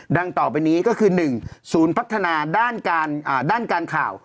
ต่อไปนี้ก็คือ๑ศูนย์พัฒนาด้านการข่าว